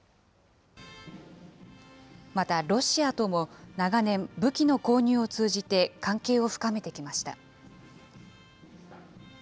また、ロシアとも長年、武器の購入を通じて関係を深めてきました。